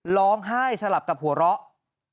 ร้องไห้สลับกับหัวเราะ